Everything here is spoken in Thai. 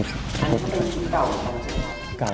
อันนี้เป็นชีวิตเก่าของเจ้าหรือเปล่า